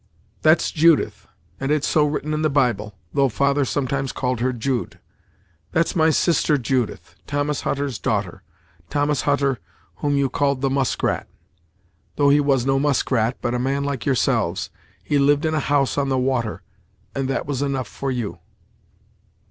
"That's Judith, and it's so written in the Bible, though father sometimes called her Jude. That's my sister Judith. Thomas Hutter's daughter Thomas Hutter, whom you called the Muskrat; though he was no muskrat, but a man like yourselves he lived in a house on the water, and that was enough for you."